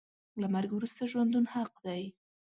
له مرګ وروسته ژوندون حق دی .